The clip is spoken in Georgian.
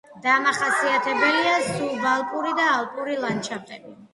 დამახასიათებელია სუბალპური და ალპური ლანდშაფტები.